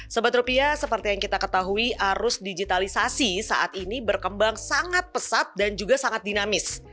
sebab rupiah seperti yang kita ketahui arus digitalisasi saat ini berkembang sangat pesat dan juga sangat dinamis